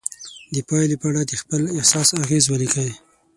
د پایلې په اړه د خپل احساس اغیز ولیکئ.